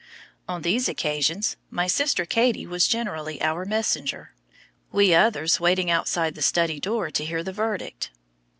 On these occasions my sister "Katie" was generally our messenger, we others waiting outside the study door to hear the verdict.